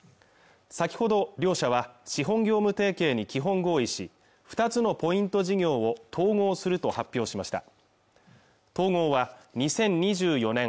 先ほど両社は資本業務提携に基本合意し２つのポイント事業を統合すると発表しました統合は２０２４年